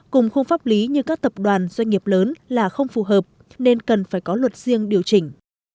cùng khung pháp lý như các tập đoàn doanh nghiệp lớn là không phù hợp nên cần phải có luật riêng điều chỉnh